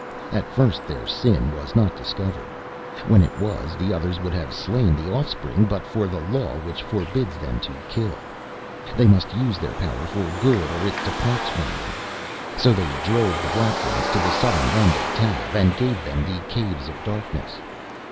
"At first their sin was not discovered. When it was, the others would have slain the offspring but for the law which forbids them to kill. They must use their power for good or it departs from them. So they drove the Black Ones to the southern end of Tav and gave them the Caves of Darkness.